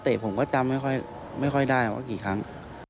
ผมก็จำไม่ค่อยได้ว่ากี่ครั้ง